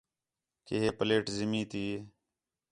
کہ ہے پلیٹ زمین تے